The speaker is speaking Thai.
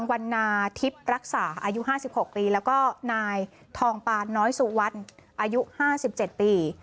วันนาทิพย์รักษาอายุห้าสิบหกปีแล้วก็นายทองปานน้อยสุวรรคอายุห้าสิบเจ็ดปี